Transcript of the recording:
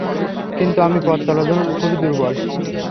কিন্তু আমি পথ চলার জন্য খুবই দুর্বল।